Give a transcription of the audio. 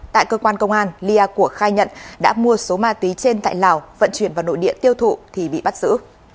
tại cơ quan công an lia của khai nhận đã mua số ma túy trên tại lào vận chuyển vào nội địa tiêu thụ thì bị bắt giữ